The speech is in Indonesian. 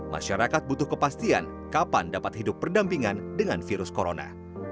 masyarakat butuh kepastian kapan dapat hidup berdampingan dengan virus corona